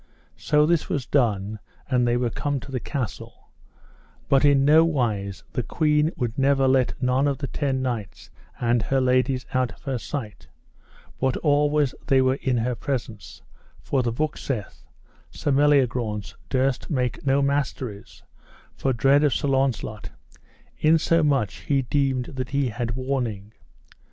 So this was done, and they were come to his castle, but in no wise the queen would never let none of the ten knights and her ladies out of her sight, but always they were in her presence; for the book saith, Sir Meliagrance durst make no masteries, for dread of Sir Launcelot, insomuch he deemed that he had warning.